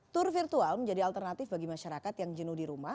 tur virtual menjadi alternatif bagi masyarakat yang jenuh di rumah